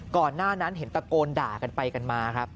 ก่อนหน้านั้นเห็นตะโกนด่ากันไปกันมาครับ